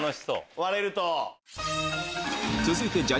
割れると。